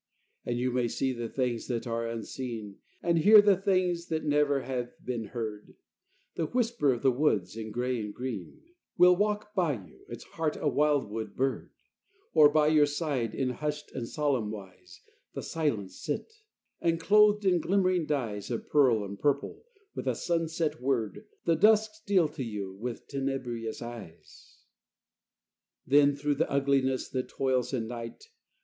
And you may see the things that are unseen, And hear the things that never have been heard: The whisper of the woods, in gray and green, Will walk by you, its heart a wildwood bird; Or by your side, in hushed and solemn wise, The silence sit; and clothed in glimmering dyes Of pearl and purple, with a sunset word, The dusk steal to you with tenebrious eyes. Then through the ugliness that toils in night.